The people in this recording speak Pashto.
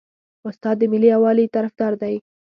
استاد د ملي یووالي طرفدار دی.